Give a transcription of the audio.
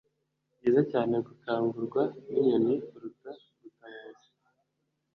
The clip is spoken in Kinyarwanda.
byiza cyane gukangurwa ninyoni kuruta gutabaza